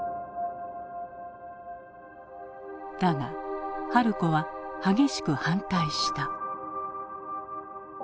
だが春子は激しく反対した。